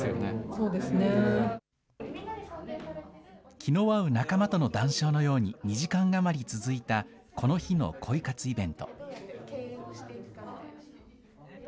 気の合う仲間との談笑のように２時間余り続いたこの日の恋活イベント。